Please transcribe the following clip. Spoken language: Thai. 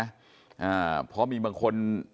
อ่าเพราะมีบางคน